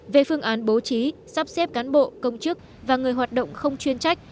về phương án bố trí sắp xếp cán bộ công chức và người hoạt động không chuyên trách